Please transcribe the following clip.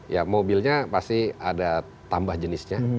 ya mobilnya pasti ada tambah jenisnya